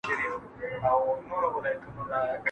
¬ په خره ئې وس نه رسېدی، پر پالانه ئې راواچول.